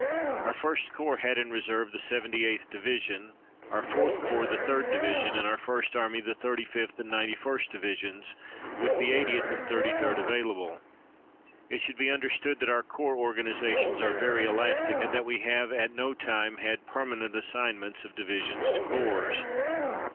Our 1st Corps had in reserve the 78th Division, our 4th Corps the 3d Division, and our First Army the 35th and 91st Divisions, with the 80th and 33d available. It should be understood that our corps organizations are very elastic, and that we have at no time had permanent assignments of divisions to corps.